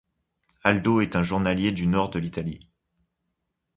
Aldo est un journalier du nord de l'Italie.